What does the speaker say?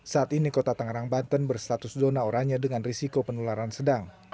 saat ini kota tangerang banten berstatus zona oranye dengan risiko penularan sedang